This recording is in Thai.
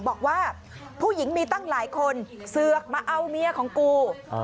บอกว่าผู้หญิงมีตั้งหลายคนเสือกมาเอาเมียของกู